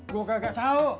gue kagak tau